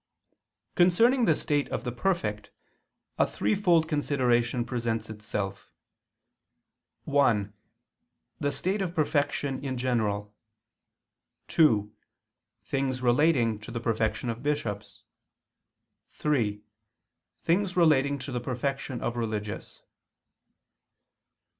Concerning the state of the perfect, a three fold consideration presents itself: (1) The state of perfection in general; (2) Things relating to the perfection of bishops; (3) Things relating to the perfection of religious.